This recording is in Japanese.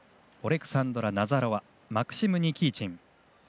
オレクサンドラ・ナザロワマクシム・ニキーチン。